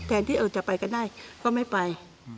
แทนที่จะไปกันได้ก็ไม่ไป